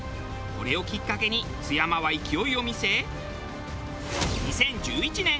これをきっかけに津山は勢いを見せ２０１１年